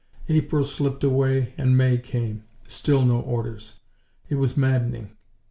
April slipped away and May came. Still no orders. It was maddening!